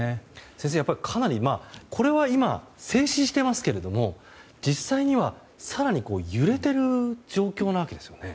先生、これは今静止していますけれども実際には更に揺れている状況なわけですよね。